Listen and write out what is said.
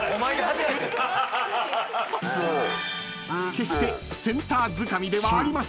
［決してセンターづかみではありませんが］